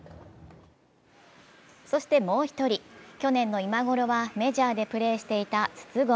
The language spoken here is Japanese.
そしてもう１人、去年の今ごろはメジャーでプレーしていた筒香。